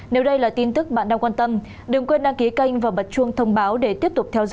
nếu đây là tin tức bạn đang quan tâm đừng quên đăng ký kênh và bật chuông thông báo để tiếp tục theo dõi